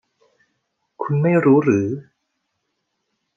คุณไม่รู้หรือ